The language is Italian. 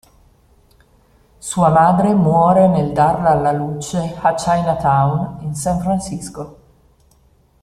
Sua madre muore nel darla alla luce a Chinatown, San Francisco.